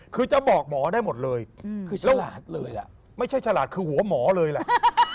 คือจะบอกหมอได้หมดเลยไม่ใช่ฉลาดคือหัวหมอเลยแหละ